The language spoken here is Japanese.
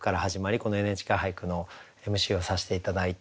この「ＮＨＫ俳句」のＭＣをさせて頂いて。